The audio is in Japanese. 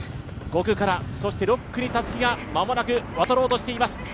５区からそして６区にたすきが間もなく渡ろうとしています。